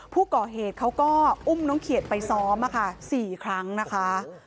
ผู้ก่อเหตุเขาก็อุ้มน้องเขียดไปซ้อม๔ครั้งนะคะ